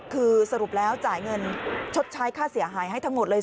คือสรุปแล้วจ่ายเงินชดใช้ค่าเสียหายให้ทั้งหมดเลย